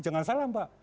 jangan salah mbak